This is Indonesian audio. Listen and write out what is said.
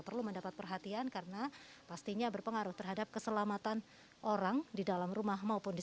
perlu mendapat perhatian karena pastinya berpengaruh terhadap keselamatan orang di dalam rumah maupun di